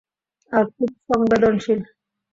আর খুব সংবেদনশীল।